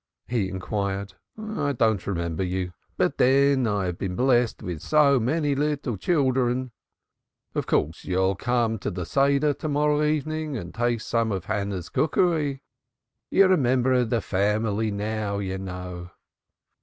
he inquired. "I don't remember you. But then I have blessed so many little children. Of course you'll come to the Seder to morrow evening and taste some of Hannah's cookery. You're one of the family now, you know."